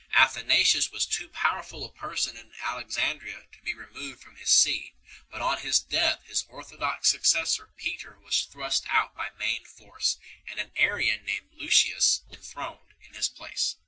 Athanasius was too powerful a person in Alexandria to be removed from his see, but on his death his orthodox successor Peter was thrust out by main force, and an Arian named Lucius enthroned in his place.